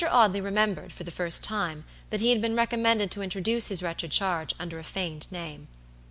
Audley remembered, for the first time, that he had been recommended to introduce his wretched charge under a feigned name.